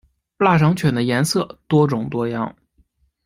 腊肠犬的颜色多种多样。